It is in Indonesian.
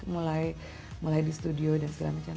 mulai mulai di studio dan segala macam